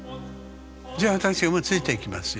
じゃあ私もついて行きますよ。